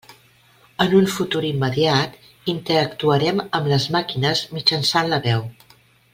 En un futur immediat interactuarem amb les màquines mitjançant la veu.